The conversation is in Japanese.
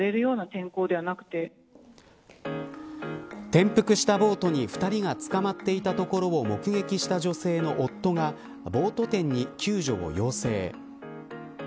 転覆したボートに２人がつかまっていたところを目撃した女性の夫がボート店に救助を要請。